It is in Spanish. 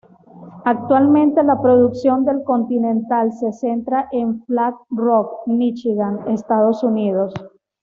Actualmente la producción del Continental se centra en Flat Rock, Michigan, Estados Unidos.